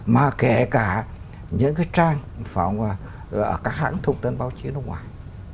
mà kể cả những cái trang phòng các hãng thông tin báo chí nước ngoài